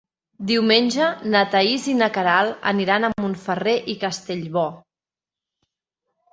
Diumenge na Thaís i na Queralt aniran a Montferrer i Castellbò.